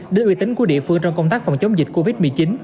đến uy tín của địa phương trong công tác phòng chống dịch covid một mươi chín